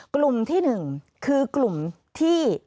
กลุ่มที่หนึ่งคือกลุ่มที่